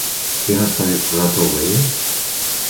Qui no està disposat a obeir?